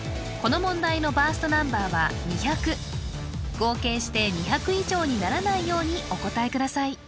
この問題のバーストナンバーは２００合計して２００以上にならないようにお答えください